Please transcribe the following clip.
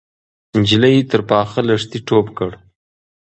نجلۍ تر پاخه لښتي ټوپ کړ.